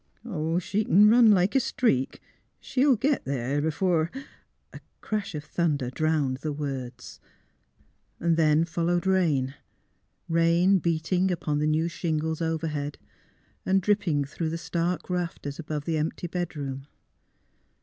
'^ Oh, she e'n run like a streak. She'll git ther' b'fore " A crash of thunder dro^^^led the words. Then followed rain — rain beating upon the new shingles overhead, and dripping through the stark rafters above the empty bedroom.